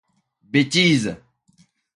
Bêtise !